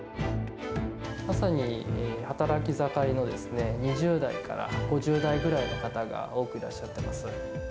まさに働き盛りの２０代から５０代ぐらいの方が多くいらっしゃってます。